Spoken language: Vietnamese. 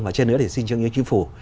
và trên nữa thì sinh trường như chính phủ